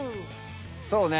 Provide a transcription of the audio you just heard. そうね